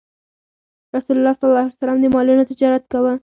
رسول الله ﷺ د مالونو تجارت کاوه.